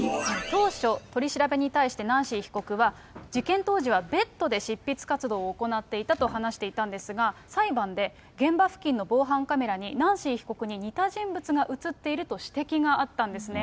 当初、取り調べに対してナンシー被告は、事件当時はベッドで執筆活動を行っていたと話していたんですが、裁判で、現場付近の防犯カメラにナンシー被告に似た人物が写っていると指摘があったんですね。